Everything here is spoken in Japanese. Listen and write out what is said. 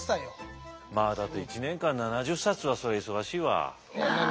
まあだって１年間７０冊はそりゃ忙しいわ。